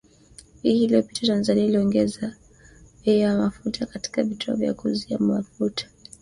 Wiki iliyopita, Tanzania iliongeza bei ya mafuta katika vituo vya kuuzia mafuta.